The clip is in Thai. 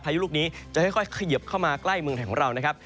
ยุลูกนี้จะค่อยเขยิบเข้ามาใกล้เมืองไทยของเรานะครับ